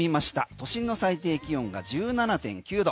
都心の最低気温が１７．９度。